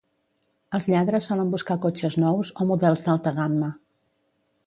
Els lladres solen buscar cotxes nous o models d'alta gamma.